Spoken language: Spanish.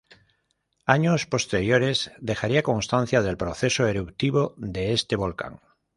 Años posteriores dejaría constancia del proceso eruptivo de este volcán.